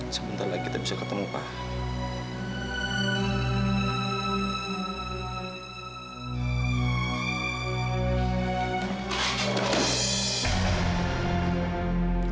sebentar lagi kita bisa ketemu pak